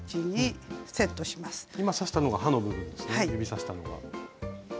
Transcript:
今指したのが刃の部分ですね指さしたのが。